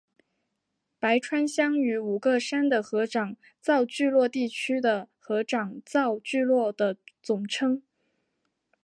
白川乡与五个山的合掌造聚落地区的合掌造聚落的总称。